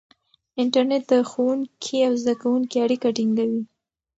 انټرنیټ د ښوونکي او زده کوونکي اړیکه ټینګوي.